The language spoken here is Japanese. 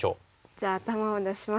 じゃあ頭を出します。